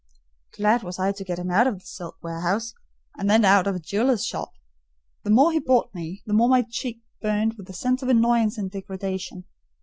Glad was I to get him out of the silk warehouse, and then out of a jeweller's shop: the more he bought me, the more my cheek burned with a sense of annoyance and degradation.